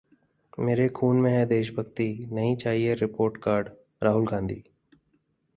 मेरे खून में है देशभक्ति, नहीं चाहिए रिपोर्ट कार्डः राहुल गांधी